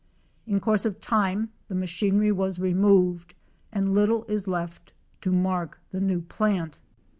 In course of time the machinery was removed, and little is left to mark the new plant.